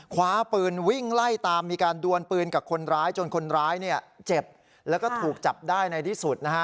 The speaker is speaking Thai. คว้าปืนวิ่งไล่ตามมีการดวนปืนกับคนร้ายจนคนร้ายเนี่ยเจ็บแล้วก็ถูกจับได้ในที่สุดนะฮะ